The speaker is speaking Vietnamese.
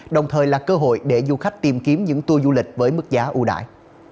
đồng thời là cơ hội để du khách tìm kiếm những tour du lịch với mức giá ưu đại